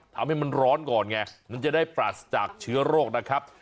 ทำให้มันร้อนก่อนไงมันจะได้ปราศจากเชื้อโรคนะครับ